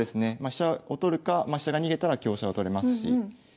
飛車を取るかま飛車が逃げたら香車を取れますし。